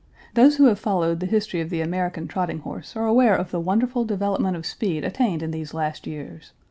Those who have followed the history of the American trotting horse are aware of the wonderful development of speed attained in these last years.